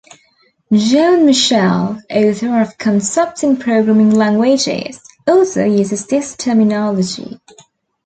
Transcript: John Mitchell, author of "Concepts in Programming Languages," also uses this terminology.